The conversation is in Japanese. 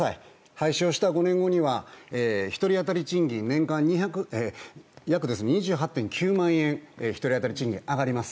廃止した５年後には１人当たりの賃金年間約２８．９万円１人当たり賃金上がります。